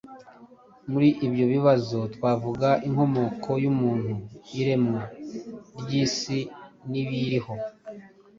Muri ibyo bibazo twavuga : inkomoko y‟umuntu, iremwa ry‟isi n‟ibiyiriho,